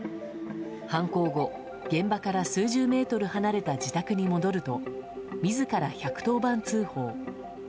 犯行後、現場から数十メートル離れた自宅に戻ると自ら１１０番通報。